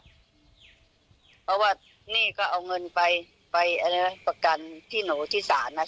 เพราะว่านี่ก็เอาเงินไปประกันที่หนูที่สาร๑๐๐๐๐แล้ว